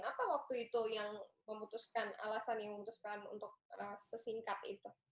apa waktu itu yang memutuskan alasan yang memutuskan untuk sesingkat itu